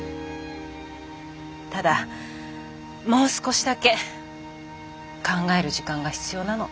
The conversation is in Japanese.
ただもう少しだけ考える時間が必要なの。